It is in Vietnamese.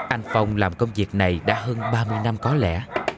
anh phong làm công việc này đã hơn ba mươi năm có lẽ